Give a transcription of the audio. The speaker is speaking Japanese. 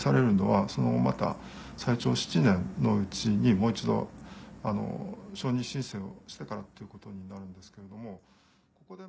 のうちにもう一度承認申請をしてからっていうことになるんですけれどもそこで